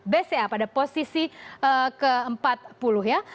bca pada posisi ke empat puluh ya